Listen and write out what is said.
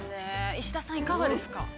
石田さん、いかがですか。